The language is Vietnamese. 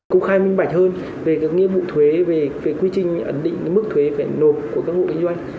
công khai minh bạch hơn về các nghĩa vụ thuế về quy trình ẩn định mức thuế phải nộp của các hộ kinh doanh